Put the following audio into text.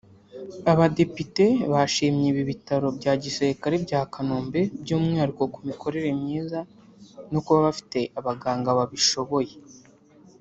Abadepite bashimye ibi bitaro bya Gisirikare bya Kanombe by'umwihariko ku mikorere myiza no kuba bifite abaganga babishoboye